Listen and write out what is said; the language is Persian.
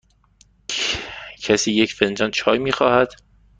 کسی یک فنجان چای می خواهد؟